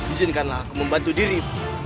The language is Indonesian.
izinkanlah aku membantu dirimu